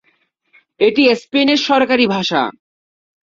এটি স্পেনের সরকারি ভাষা।